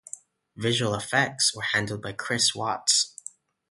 Visual effects were handled by Chris Watts.